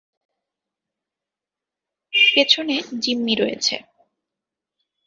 পেছনে জিম্মি রয়েছে।